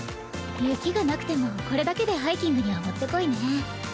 雪がなくてもこれだけでハイキングには持って来いね。